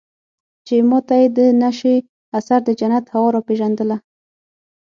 چې ما ته يې د نشې اثر د جنت هوا راپېژندله.